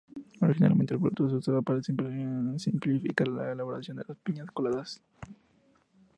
Originalmente el producto se usaba para simplificar la elaboración de las piñas coladas.